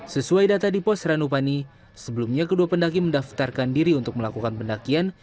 sesuai data di pos ranupani sebelumnya kedua pendaki mendaftarkan diri untuk melakukan pendakian